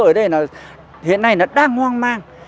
ở đây là hiện nay nó đang hoang mang